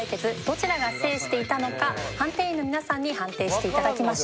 どちらが制していたのか判定員の皆さんに判定して頂きましょう。